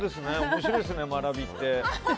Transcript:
面白いですね、学びって。